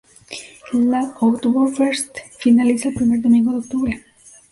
La "Oktoberfest" finaliza el primer domingo de octubre.